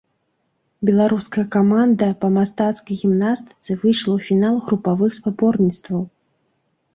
Беларуская каманда па мастацкай гімнастыцы выйшла ў фінал групавых спаборніцтваў.